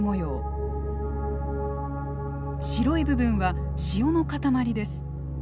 白い部分は塩の塊です。